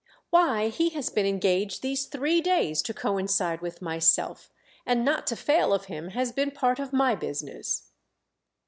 "Why, he has been engaged these three days to coincide with myself, and not to fail of him has been part of my business."